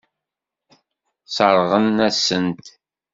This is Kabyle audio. Sseṛɣen-asen-t.